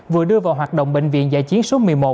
vừa đưa vào hoạt động bệnh viện giã chiến số một mươi một